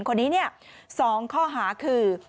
คนนี้๒ข้อหาคือ